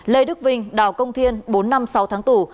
lê đức vinh đào công thiên bốn năm sáu tháng tù